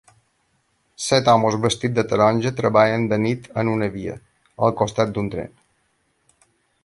Set homes vestits de taronja treballen de nit en una via, al costat d'un tren.